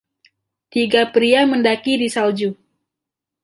tiga pria mendaki di salju.